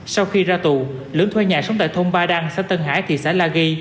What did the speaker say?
sau khi ra tù lưỡng thuê nhà sống tại thôn ba đăng xã tân hải thị xã la ghi